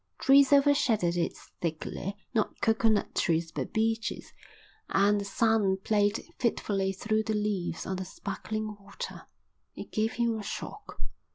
Trees overshadowed it thickly, not coconut trees, but beeches, and the sun played fitfully through the leaves on the sparkling water. It gave him a shock.